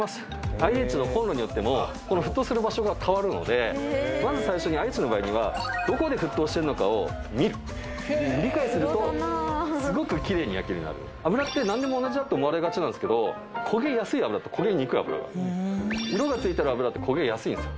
ＩＨのコンロによってもこの沸騰する場所が変わるのでまず最初にＩＨの場合にはどこで沸騰してるのかを見る理解するとすごくキレイに焼けるようになる油って何でも同じだと思われがちなんですけど焦げやすい油と焦げにくい油がある色がついてる油って焦げやすいんですよ